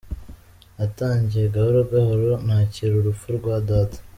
Natangiye gahoro gahoro nakira urupfu rwa data.